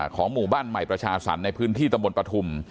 ของหมู่บ้านใหม่ประชาสรรค์ในพื้นที่ตำบลปฐุม